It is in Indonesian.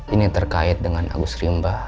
ini terkait dengan agus rimba